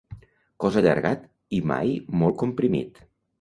Cos allargat i mai molt comprimit.